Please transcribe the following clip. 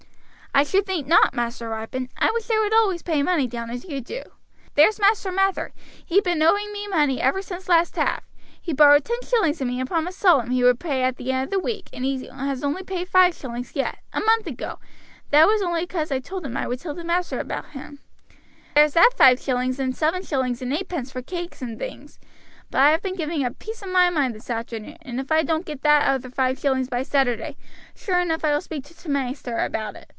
"I should think not, Master Ripon; I wish they would always pay money down as you do. There's Master Mather, he been owing me money ever since last half. He borrowed ten shillings of me and promised solemn he would pay at the end of the week, and he has only paid five shillings yet, a month ago, and that was only 'cause I told him I would tell the master about him; there's that five shillings, and seven shillings and eightpence for cakes and things; but I have been giving him a piece of my mind this afternoon; and if I don't get that other five shillings by Saturday, sure enough I will speak to t' maister about it.